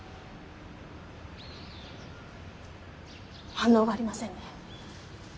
反応がありませんね。